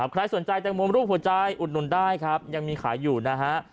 ใครสนใจแจงโมรูปหัวใจอุดนุ่นได้ยังมีขายอยู่นะครับ